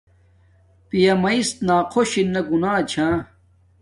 پیامیس ناخوش ارنا گناہ چھا